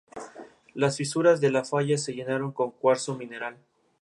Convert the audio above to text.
Las fisuras de la falla se llenaron con "cuarzo mineral".